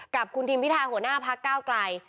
กับคุณทิมพิธาหัวหน้าพักก้าวไกล